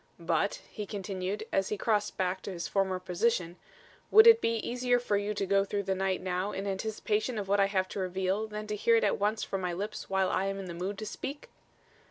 "But," he continued, as he crossed back to his former position, "would it be easier for you to go through the night now in anticipation of what I have to reveal than to hear it at once from my lips while I am in the mood to speak?"